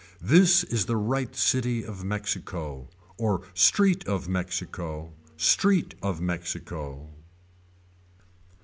This is the right city of Mexico. Or street of Mexico. Street of Mexico.